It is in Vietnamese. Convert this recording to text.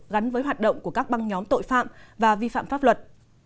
gắn với hoạt động của các băng nhóm tội phạm và vi phạm pháp luật